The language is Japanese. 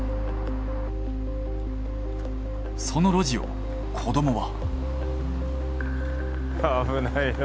その路地を子供は。